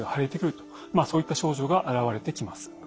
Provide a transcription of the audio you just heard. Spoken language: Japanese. そういった症状が現れてきます。